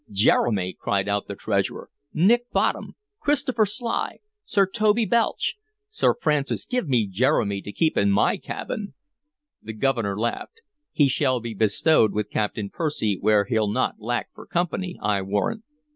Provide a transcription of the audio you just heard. "Jeremy!" cried out the Treasurer. "Nick Bottom! Christopher Sly! Sir Toby Belch! Sir Francis, give me Jeremy to keep in my cabin!" The Governor laughed. "He shall be bestowed with Captain Percy where he'll not lack for company, I warrant!